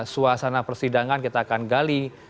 suasana persidangan kita akan gali